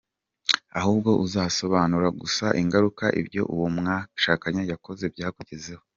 Ahubwo uzasobanure gusa ingaruka ibyo uwo mwashakanye yakoze byakugizeho.